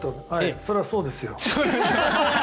それはそうですよ。